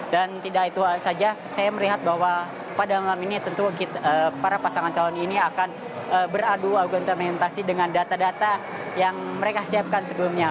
dan tidak itu saja saya melihat bahwa pada malam ini tentu para pasangan calon ini akan beradu agontamentasi dengan data data yang mereka siapkan sebelumnya